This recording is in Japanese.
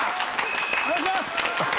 お願いします！